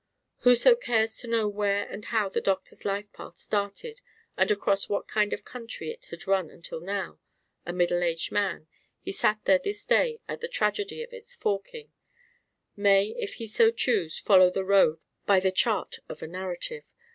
Whoso cares to know where and how the doctor's life path started and across what kind of country it had run until now, a middle aged man, he sat there this day at the tragedy of its forking, may if he so choose follow the road by the chart of a narrative.